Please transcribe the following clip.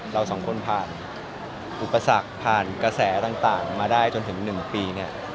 เราสองคนผ่านอุปสรรคผ่านกระแสต่างมาได้จนถึง๑ปีเนี่ย